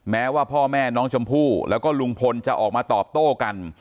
แม้ว่าพ่อแม่น้องชมพู่แล้วก็ลุงพลจะออกมาตอบโต้กัน